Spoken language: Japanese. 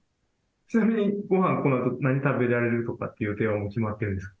ちなみにごはん、このあと何食べられるとか決まってるんですか。